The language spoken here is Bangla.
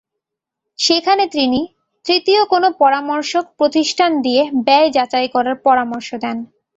সেখানে তিনি তৃতীয় কোনো পরামর্শক প্রতিষ্ঠান দিয়ে ব্যয় যাচাই করার পরামর্শ দেন।